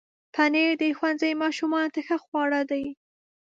پنېر د ښوونځي ماشومانو ته ښه خواړه دي.